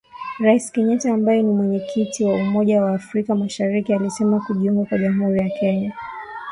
Rais Kenyatta ambaye ni Mwenyekiti wa umoja wa afrika mashariki alisema kujiunga kwa Jamuhuri ya Demokrasia ya Kongo